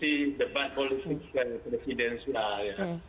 dalam kondisi debat politik presidensial ya